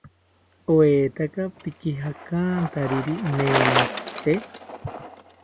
¿Oetaka pikijantakariri nentzite?